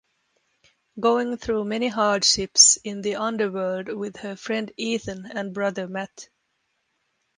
Going through many hardships in the underworld with her friend Ethan, and brother Matt.